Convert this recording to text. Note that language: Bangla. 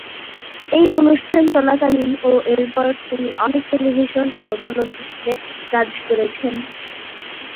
এই অনুষ্ঠান চলাকালীন ও এর পর তিনি অনেক টেলিভিশন ও চলচ্চিত্রে কাজ করেছেন।